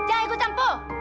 jangan ikut campur